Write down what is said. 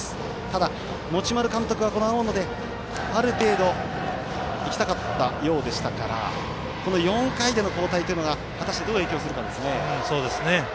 ただ、持丸監督はこの青野で、ある程度いきたかったようでしたから４回での交代というのが果たしてどう影響でするかですね。